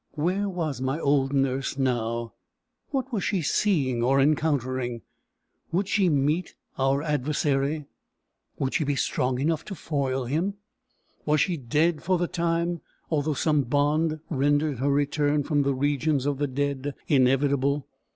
Where was my old nurse now? What was she seeing or encountering? Would she meet our adversary? Would she be strong enough to foil him? Was she dead for the time, although some bond rendered her return from the regions of the dead inevitable?